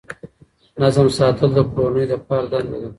نظم ساتل د کورنۍ د پلار دنده ده.